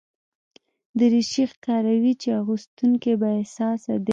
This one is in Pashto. دریشي ښکاروي چې اغوستونکی بااحساسه دی.